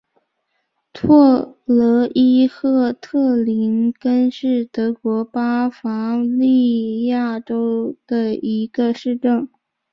特罗伊赫特林根是德国巴伐利亚州的一个市镇。